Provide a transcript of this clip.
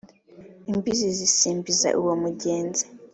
Imbizi zisimbiza uwo mugenzi